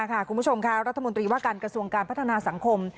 คุณผู้ชมค่ะรัฐมนตรีว่าการกระทรวงการพัฒนาสังคม